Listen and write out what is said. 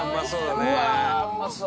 うわうまそう！